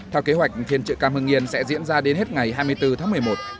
theo kế hoạch phiên trợ cam hưng yên sẽ diễn ra đến hết ngày hai mươi bốn tháng một mươi một